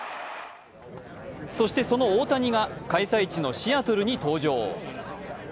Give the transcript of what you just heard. そして、その大谷が開催地のシアトルに登場。